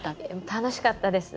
楽しかったです。